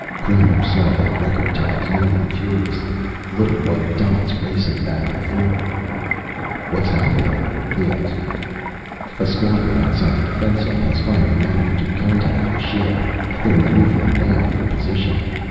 Kramer saw the record tabs moving furiously, the little white dots racing back and forth. "What's happening?" he asked. "A squadron outside the defense zone has finally managed to contact the ship. They're maneuvering now, for position.